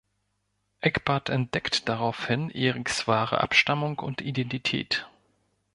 Egbert entdeckt daraufhin Eriks wahre Abstammung und Identität.